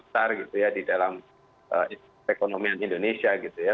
besar gitu ya di dalam perekonomian indonesia gitu ya